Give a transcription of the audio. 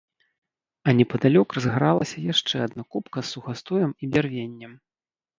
А непадалёк разгаралася яшчэ адна купка з сухастоем і бярвеннем.